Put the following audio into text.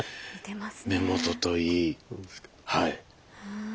目元といいはい。